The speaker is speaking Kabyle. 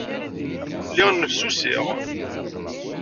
Lliɣ nnefsusiɣ.